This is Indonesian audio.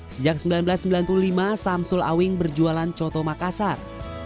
sejak seribu sembilan ratus sembilan puluh lima samsul awing berjualan coto makassar